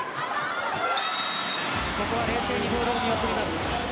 ここは冷静にボールを見送ります。